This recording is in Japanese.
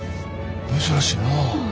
珍しいな。